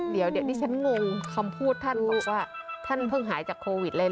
เดี๋ยวดิฉันงงคำพูดท่านรู้ว่าท่านเพิ่งหายจากโควิดเลย